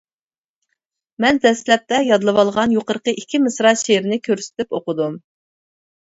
مەن دەسلەپتە يادلىۋالغان يۇقىرىقى ئىككى مىسرا شېئىرنى كۆرسىتىپ ئوقۇدۇم.